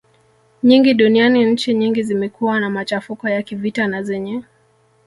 nyingi duniani nchi nyingi zimekuwa na machafuko ya kivita na zenye